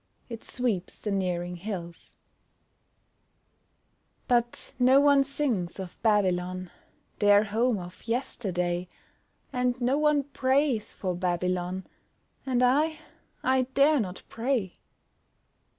It sweeps the nearing hills But no one sings of Babylon (Their home of yesterday) And no one prays for Babylon, And I I dare not pray!